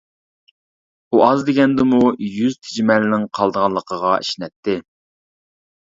ئۇ ئاز دېگەندىمۇ يۈز تېجىمەلنىڭ قالىدىغانلىقىغا ئىشىنەتتى.